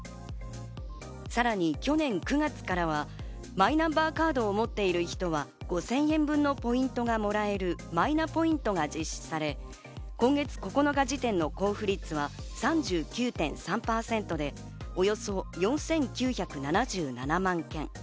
さらに去年９月からはマイナンバーカードを持っている人は５０００円分のポイントがもらえるマイナポイントが実施され、今月９日時点の交付率は３９．３％でおよそ４９７７万件。